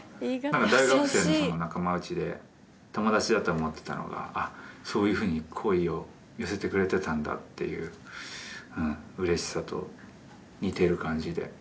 なんか大学生の仲間内で、友達だと思ってたのが、あっ、そういうふうに好意を寄せてくれてたんだっていううれしさと似てる感じで。